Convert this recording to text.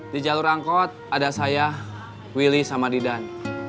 di jalur angkot ada saya willy sama didan